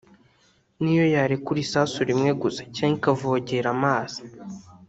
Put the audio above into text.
niyo yarekura isasu rimwe gusa cyangwa ikavogera amazi